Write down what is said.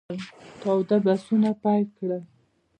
تاوده بحثونه پیل کړل.